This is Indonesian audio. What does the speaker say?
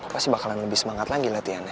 pasti bakalan lebih semangat lagi latihannya